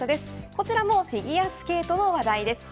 こちらもフィギュアスケートの話題です。